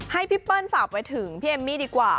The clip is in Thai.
ให้พี่เปิ้ลฝากไปถึงพี่เอมมี่ดีกว่า